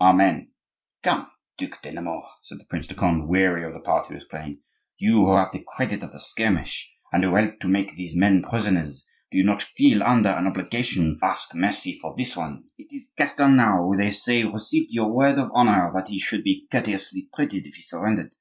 Amen!" "Come, Duc de Nemours," said the Prince de Conde, weary of the part he was playing; "you who have the credit of the skirmish, and who helped to make these men prisoners, do you not feel under an obligation to ask mercy for this one? It is Castelnau, who, they say, received your word of honor that he should be courteously treated if he surrendered."